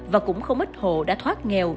và cũng không ít hộ đã thoát nghèo